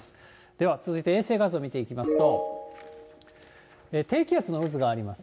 では続いて、衛星画像見ていきますと、低気圧の渦があります。